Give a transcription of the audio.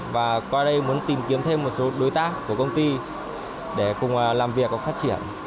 và qua đây muốn tìm kiếm thêm một số đối tác của công ty để cùng làm việc và phát triển